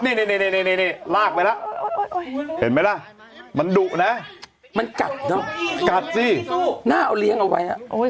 นี่ลากไปแล้วเห็นไหมล่ะมันดุนะมันกัดเนอะกัดสิหน้าเอาเลี้ยงเอาไว้